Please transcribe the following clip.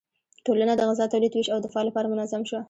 ټولنه د غذا تولید، ویش او دفاع لپاره منظم شوه.